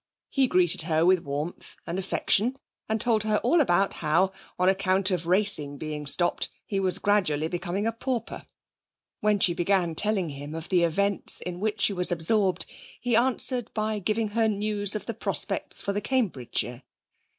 He greeted her with warmth and affection, and told her all about how, on account of racing being stopped, he was gradually becoming a pauper. When she began telling him of the events in which she was absorbed he answered by giving her news of the prospects for the Cambridgeshire.